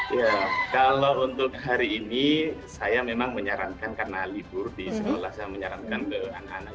ya kalau untuk hari ini saya memang menyarankan karena libur di sekolah saya menyarankan ke anak anak